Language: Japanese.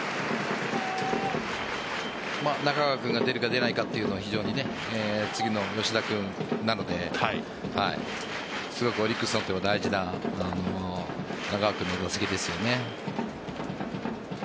中川君が出るか出ないかというのは次が吉田君なのですごくオリックスにとっては大事な中川君の打席ですよね。